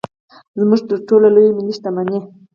زموږ تر ټولو لویه ملي شتمني.